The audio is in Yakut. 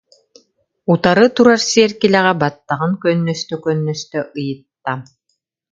утары турар сиэркилэҕэ баттаҕын көннөстө-көннөстө ыйытта